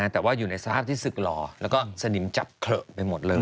แต่ว่าอยู่ในสภาพที่ศึกหล่อแล้วก็สนิมจับเขละไปหมดเลย